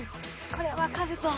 これ分かるぞ。